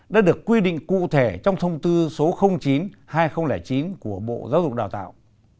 đã được quy định cụ thể trong thông tư số chín hai nghìn chín của bộ giáo dục đào tạo